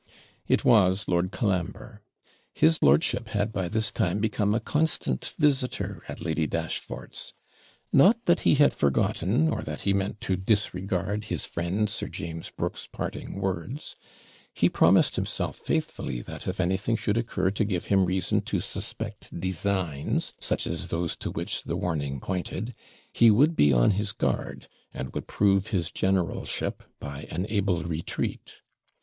It was Lord Colambre. His lordship had by this time become a constant visitor at Lady Dashfort's. Not that he had forgotten, or that he meant to disregard his friend Sir James Brooke's parting words. He promised himself faithfully, that if anything should occur to give him reason to suspect designs, such as those to which the warning pointed, he would be on his guard, and would prove his generalship by an able retreat.